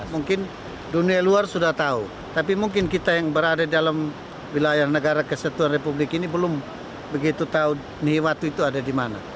mungkin dunia luar sudah tahu tapi mungkin kita yang berada dalam wilayah negara kesatuan republik ini belum begitu tahu nih waktu itu ada di mana